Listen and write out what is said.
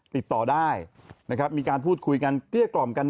ติดต่อได้นะครับมีการพูดคุยกันเกลี้ยกล่อมกัน